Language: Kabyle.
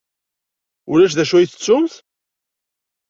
Ulac d acu ay tettumt?